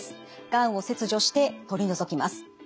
がんを切除して取り除きます。